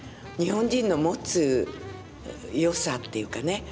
日本人の持つ良さっていうかね